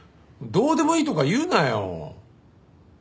どうでもいいとか言うなよ。